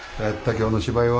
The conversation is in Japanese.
今日の芝居は。